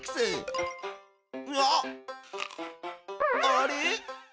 あれ？